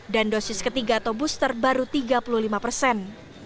dan dosis ketiga atau booster baru tiga puluh lima persen